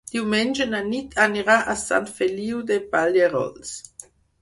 Diumenge na Nit anirà a Sant Feliu de Pallerols.